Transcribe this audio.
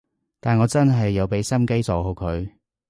但我真係有畀心機做好佢